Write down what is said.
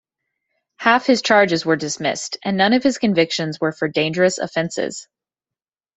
Half his charges were dismissed, and none of his convictions were for dangerous offences.